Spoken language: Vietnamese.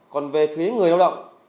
còn về phía người lao động